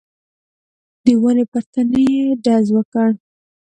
د ونې پر تنې يې ډز وکړ.